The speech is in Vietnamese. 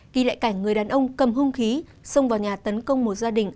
ghi lại cảnh người đàn ông cầm hung khí xông vào nhà tấn công một gia đình